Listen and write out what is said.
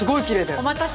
お待たせ。